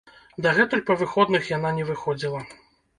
Дагэтуль па выходных яна не выходзіла.